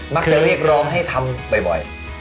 มักจะไม่รองให้ทำบ่อย